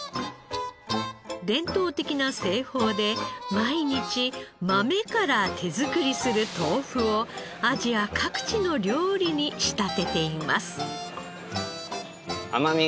伝統的な製法で毎日豆から手作りする豆腐をアジア各地の料理に仕立てています。